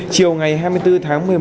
chiều ngày hai mươi bốn tháng một mươi một